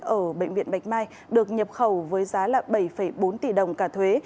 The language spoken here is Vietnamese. ở bệnh viện bạch mai được nhập khẩu với giá bảy bốn tỷ đồng cả thuế